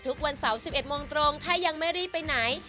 ทุกวันเสาร์๑๑โมงตรงถ้ายังไม่รีบไปไหน